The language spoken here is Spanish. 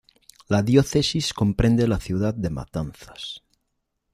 La diócesis comprende la ciudad de Matanzas.